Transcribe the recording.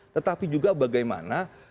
tetapi juga bagaimana